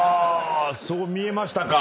そう見えましたか。